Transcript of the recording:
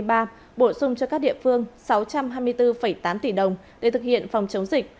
bổ sung cho các địa phương sáu trăm hai mươi bốn tám tỷ đồng để thực hiện phòng chống dịch